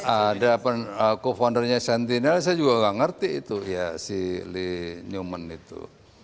ada co foundernya sentinel saya juga nggak ngerti itu ya si lee newman itu